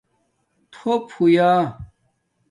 تھُݸپ ہویݳ